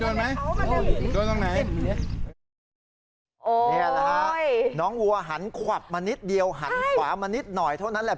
นี่แหละฮะน้องวัวหันขวับมานิดเดียวหันขวามานิดหน่อยเท่านั้นแหละ